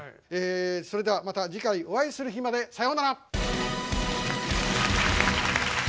それではまた次回お会いする日までさようなら！